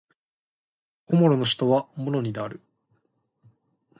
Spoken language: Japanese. コモロの首都はモロニである